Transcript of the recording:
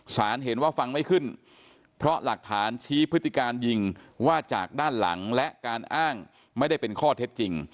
เห็นว่าฟังไม่ขึ้นเพราะหลักฐานชี้พฤติการยิงว่าจากด้านหลังและการอ้างไม่ได้เป็นข้อเท็จจริง